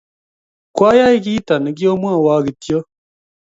koayei kito ne koimwowo kityo